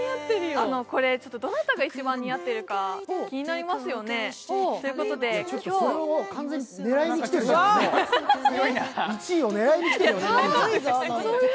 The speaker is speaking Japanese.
これどなたが一番似合っているか気になりますよね。ということで、今日それもう完全に１位を狙いにきてるよね？